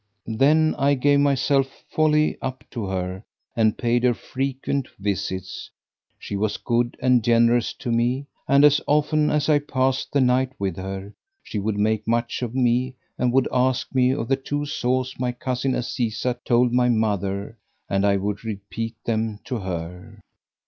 Then I gave myself wholly up to her and paid her frequent visits: she was good and generous to me; and as often as I passed the night with her, she would make much of me and would ask me of the two saws my cousin Azizah told my mother and I would repeat them to her.